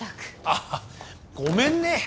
あっごめんね。